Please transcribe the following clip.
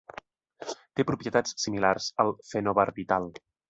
Té propietats similars al fenobarbital.